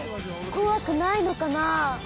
こわくないのかな？